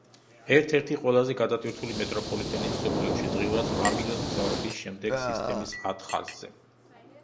ერთ-ერთი ყველაზე გადატვირთული მეტროპოლიტენი მსოფლიოში დღიურად რვა მლნ მგზავრობის შემდეგ სისტემის ათ ხაზზე.